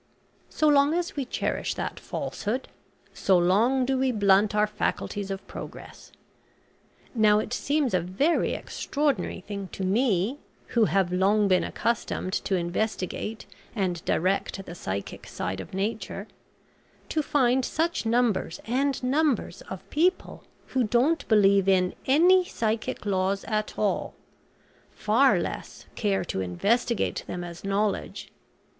So long as we cherish that falsehood, so long do we blunt our faculties of progress. Now it seems a very extraordinary thing to me, who have long been accustomed to investigate and direct the psychic side of nature, to find such numbers and numbers of people who don't believe in any psychic laws at all, far less care to investigate them as knowledge.